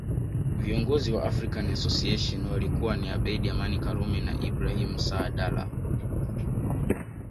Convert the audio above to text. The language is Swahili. Viongozi wa African Association walikuwa ni Abeid Amani Karume na Ibrahim Saadala